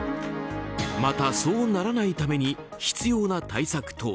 また、そうならないために必要な対策とは。